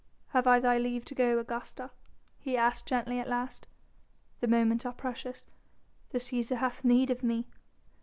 "Have I thy leave to go, Augusta?" he asked gently at last, "the moments are precious. The Cæsar hath need of me...."